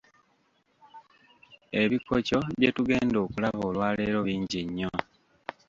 Ebikoco bye tugenda okulaba olwaleero bingi nnyo.